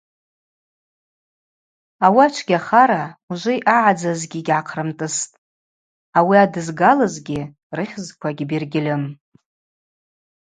Ауи ачвгьахара ужвы йъагӏадзазгьи йгьгӏахърымтӏыстӏ, ауи адызгалызгьи рыхьызква гьбергьльым.